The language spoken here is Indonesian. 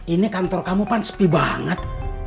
ini kantor kamu kan sepi banget